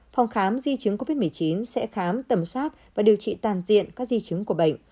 phòng khám di chứng covid một mươi chín sẽ khám tầm soát và điều trị toàn diện các di chứng của bệnh